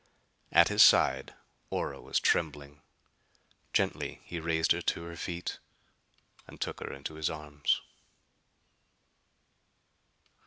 At his side Ora was trembling. Gently he raised her to her feet, and took her into his arms.